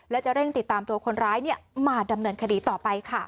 และจะเร่งติดตามตัวคนร้ายมาดำเนินคดีต่อไปค่ะ